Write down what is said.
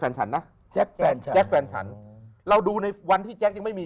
ฉันนะแจ๊คแฟนฉันแจ๊คแฟนฉันเราดูในวันที่แจ๊คยังไม่มี